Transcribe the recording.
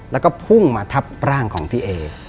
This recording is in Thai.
แล้วก็พุ่งมาทับร่างของพี่เอ